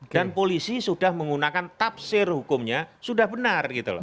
dan polisi sudah menggunakan tafsir hukumnya sudah benar gitu loh